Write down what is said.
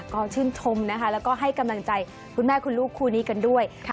ก็ชื่นชมนะคะแล้วก็ให้กำลังใจคุณแม่คุณลูกคู่นี้กันด้วย